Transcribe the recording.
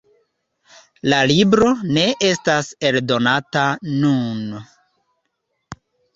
La libro ne estas eldonata nun.